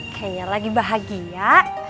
kayaknya lagi bahagia